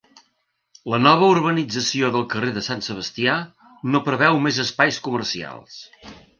La nova urbanització del carrer de Sant Sebastià no preveu més espais comercials.